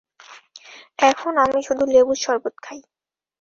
এখন আমি শুধু লেবুর শরবত খাই।